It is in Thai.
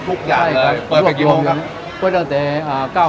เปิดตั้งแต่๙โมงเช้าจนถึง๕โมงเย็นครับ